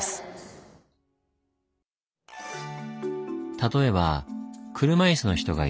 例えば車いすの人がいる。